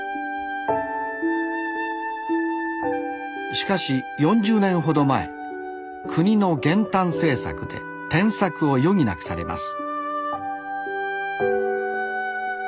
しかし４０年ほど前国の減反政策で転作を余儀なくされます